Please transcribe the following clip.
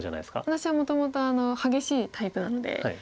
私はもともと激しいタイプなので。